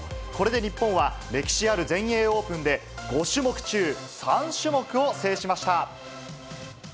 これで日本は歴史ある全英オープンで５種目中３種目を制しました。